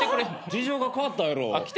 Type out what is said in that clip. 事情が変わったやろ。